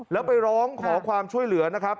แล้วไปร้องขอความช่วยเหลือนะครับ